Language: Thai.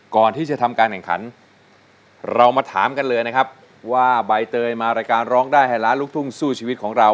ก่อนที่จะทำการแข่งขันเรามาถามกันเลยนะครับว่าใบเตยมารายการร้องได้ให้ล้านลูกทุ่งสู้ชีวิตของเรา